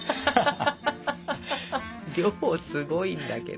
量すごいんだけど。